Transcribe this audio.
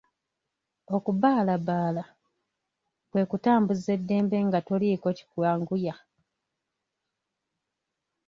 Okubaalaabaala kwe kutambuza eddembe nga toliiko kikwanguya.